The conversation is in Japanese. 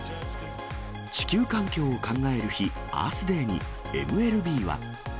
地球環境を考える日、アースデイに、ＭＬＢは。